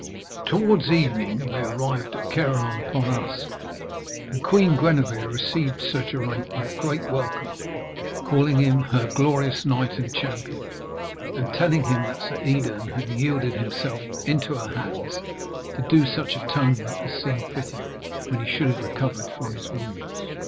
Towards evening they arrived at Caerleon upon Usk, and Queen Gwenevere received Sir Geraint with great welcome, calling him 'her glorious knight and champion,' and telling him that Sir Edern had yielded himself into her hands to do such atonement as seemed fitting, when he should have recovered from his wounds.